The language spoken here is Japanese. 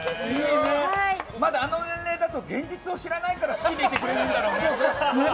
あの年齢だと現実を知らないから好きでいてくれるんだろうね。